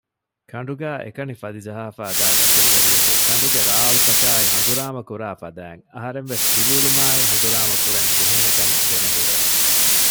ކަނޑުގައި އެކަނި ފަލިޖަހާފައިދާ ދަތުރުވެރިޔަކު ކަނޑުގެ ރާޅުތަކާއި ހަނގުރާމަ ކުރާފަދައިން އަހަރެންވެސް ދިރިއުޅުމާއި ހަނގުރާމަ ކުރަން ޖެހޭނެކަން ދެނެހުރޭ